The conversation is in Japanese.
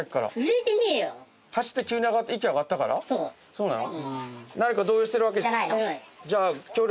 そうなの？